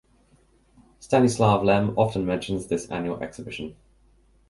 Stanislav Lem often mentions this annual exhibition.